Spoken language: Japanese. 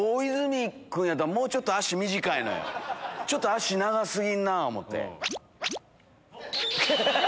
ちょっと脚長過ぎるなぁ思うて。